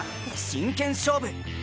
真剣勝負！